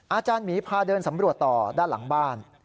อาจารย์หมีพาเดินสำรวจต่อด้านหลังบ้าน